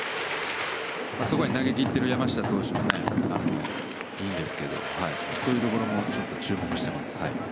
そこに投げ切っている山下投手もいいんですがそういうところも注目してます。